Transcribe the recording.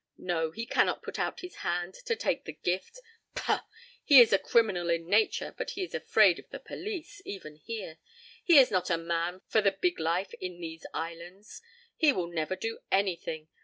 No, he cannot put out his hand to take the gift. Pah! He is a criminal in nature, but he is afraid of the police, even here. He is not a man for the big life in these islands. He will never do anything.